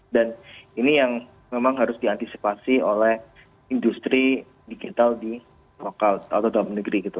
dan ini yang memang harus diantisipasi oleh industri digital di lokal atau dalam negeri gitu